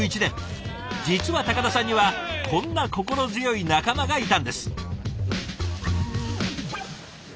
実は高田さんにはこんな心強い仲間がいたんです。